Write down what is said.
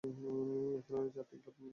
এখানে রয়েছে আটটি ক্লাব।